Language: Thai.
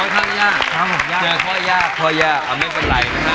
ค่อยไม่เป็นไรนะครับ